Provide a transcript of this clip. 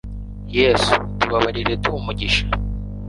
yesu tubabarire duhe umugissha